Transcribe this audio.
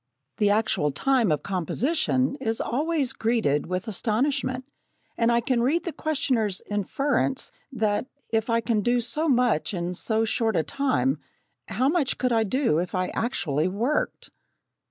The actual time of composition is always greeted with astonishment, and I can read the questioner's inference, that if I can do so much in so short a time, how much could I do if I actually worked!